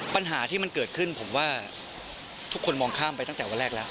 ปัญหาที่มันเกิดขึ้นผมว่าทุกคนมองข้ามไปตั้งแต่วันแรกแล้ว